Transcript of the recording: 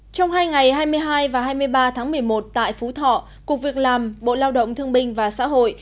trong hai ngày hai mươi hai và hai mươi ba tháng một mươi một tại phú thọ cục việc làm bộ lao động thương bình và xã hội